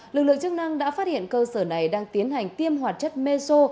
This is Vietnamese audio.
lực lượng chức năng đã phát hiện cơ sở này đang tiến hành tiêm hoạt chất meso